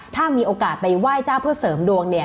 ถ้ามีโอกาสไปไหว้เจ้าเพื่อเสริมดวงเนี่ย